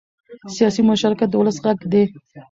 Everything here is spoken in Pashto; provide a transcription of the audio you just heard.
سیاسي مشارکت د ولس غږ دی